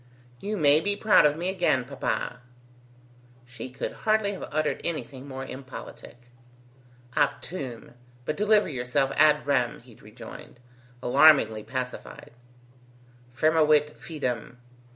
"You may be proud of me again, papa." She could hardly have uttered anything more impolitic. "Optume; but deliver yourself ad rem," he rejoined, alarmingly pacified. "Firmavit fidem.